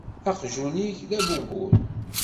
Aqjun-ik d abubul.